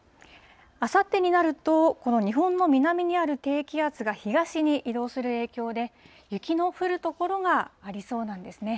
あさってになると、この日本の南にある低気圧が東に移動する影響で、雪の降る所がありそうなんですね。